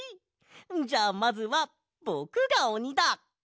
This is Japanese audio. じゃあまずはぼくがおにだ！